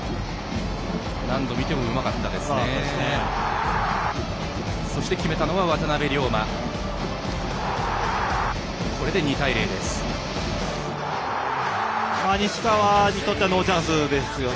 何度見てもうまかったですね。